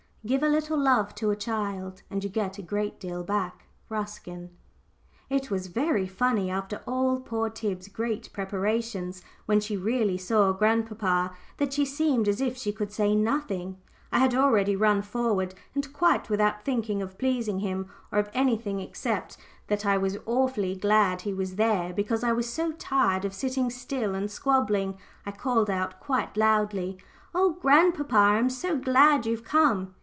"Give a little love to a child, and you get a great deal back." RUSKIN. It was very funny, after all poor Tib's great preparations, when she really saw grandpapa that she seemed as if she could say nothing. I had already run forward, and quite without thinking of pleasing him, or of anything except that I was awfully glad he was there, because I was so tired of sitting still and squabbling, I called out quite loudly "Oh, grandpapa, I am so glad you've come!"